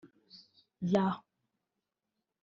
Y